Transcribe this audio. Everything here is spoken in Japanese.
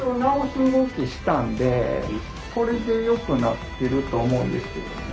これでよくなってると思うんですよね。